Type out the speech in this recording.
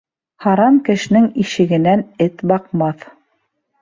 Һаран кешенең ишегенән эт баҡмаҫ